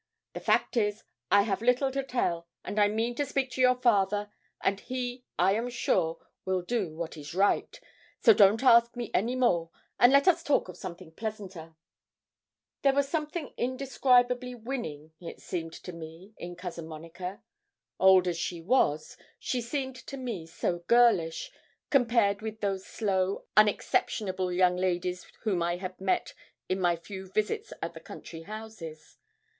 The fact is, I have little to tell, and I mean to speak to your father, and he, I am sure, will do what is right; so don't ask me any more, and let us talk of something pleasanter.' There was something indescribably winning, it seemed to me, in Cousin Monica. Old as she was, she seemed to me so girlish, compared with those slow, unexceptionable young ladies whom I had met in my few visits at the county houses.